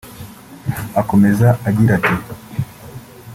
Akomeza agira ati